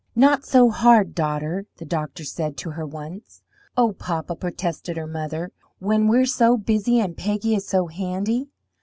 "Not so hard, daughter," the doctor said to her once. "Oh, papa," protested her mother, "when we're so busy, and Peggy is so handy!"